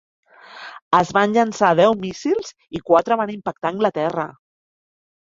Es van llançar deu míssils i quatre van impactar a Anglaterra.